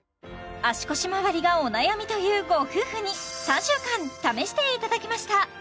足腰周りがお悩みというご夫婦に３週間試していただきました